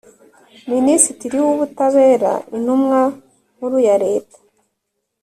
Minisitiri w Ubutabera Intumwa Nkuru ya Leta